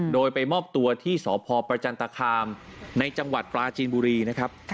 โดยไปมอบตัวที่สพประจันตคามในจังหวัดปลาจีนบุรีนะครับ